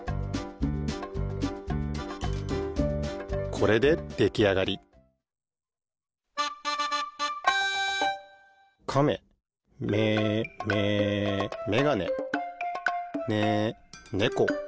これでできあがり「かめ」めめ「めがね」ね「ねこ」